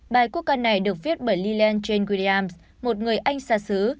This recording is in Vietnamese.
bài quốc ca này được viết bởi lillian jane williams một người anh xa xứ